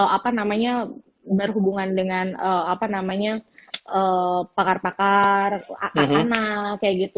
apa namanya berhubungan dengan apa namanya pakar pakar anak anak kayak gitu